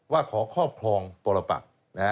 ว่าขอครอบครองปรปัก